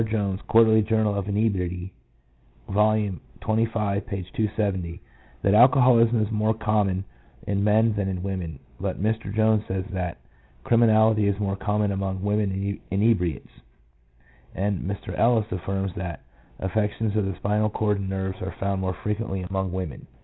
Jones, Quarterly Journal of Inebriety, vol. xxv. p. 270, that alcoholism is more common in men than in women; but Mr. Jones says that criminality is more common among women inebriates, and Mr. Ellis affirms that affections of the spinal cord and nerves are found more frequently among women.